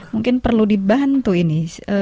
mungkin perlu dibantu ini